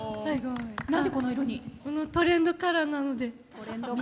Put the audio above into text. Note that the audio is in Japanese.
トレンドカラーなので。